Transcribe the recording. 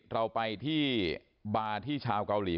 เราไปที่บาร์ที่ชาวเกาหลี